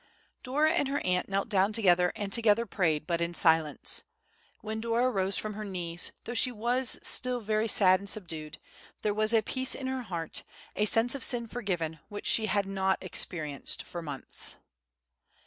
'" Dora and her aunt knelt down together and together prayed, but in silence. When Dora rose from her knees, though she was still very sad and subdued, there was a peace in her heart, a sense of sin forgiven, which she had not experienced for months.